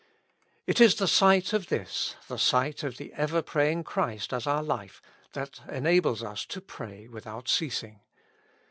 It is the sight of this, the sight of the ever praying Christ as our life, tliat enables us to pray without ceasing.